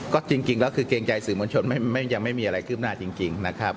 ก็จริงแล้วคือเกรงใจสื่อมวลชนยังไม่มีอะไรคืบหน้าจริงนะครับ